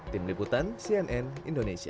tim liputan cnn indonesia